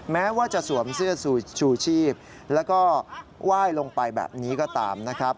แม้ว่าจะสวมเสื้อชูชีพแล้วก็ไหว้ลงไปแบบนี้ก็ตามนะครับ